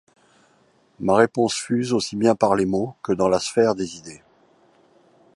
Ma réponse fuse aussi bien par les mots que dans la sphère des idées.